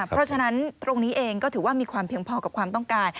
เพราะฉะนั้นตรงนี้เองก็ถือว่ามีความเพียงพอกับความต้องการ